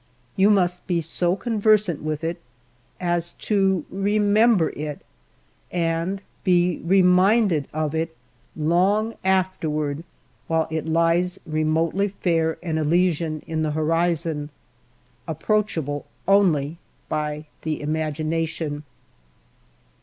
You must be so conver sant with it as to remember it, and be reminded of it long afterward, while it lies remotely fair and elysian in the horizon, approachable only by the imagination.